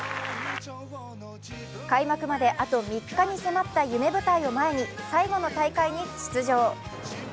開幕まであと３日に迫った夢舞台を前に最後の大会に出場。